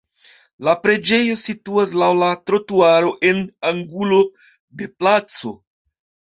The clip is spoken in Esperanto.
La preĝejo situas laŭ la trotuaro en angulo de placo.